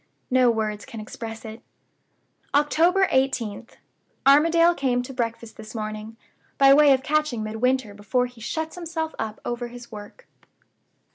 No words can express it." "October 18th. Armadale came to breakfast this morning, by way of catching Midwinter before he shuts himself up over his work.